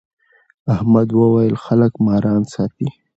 احمد وويل: خلک ماران ساتي.